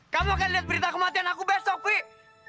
kamu akan liat berita kematian aku besok pih